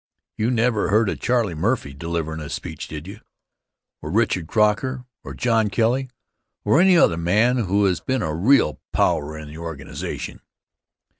You never heard of Charlie Murphy delivering a speech, did you? Or Richard Croker, or John Kelly, or any other man who has been a real power in the organization?